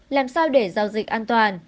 làm sao để giao dịch an toàn